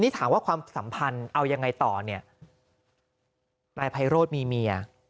นี้ถามว่าความสัมพันธ์เอายังไงต่อเนี่ย